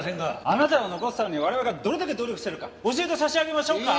あなたを残すために我々がどれだけ努力してるか教えて差し上げましょうか？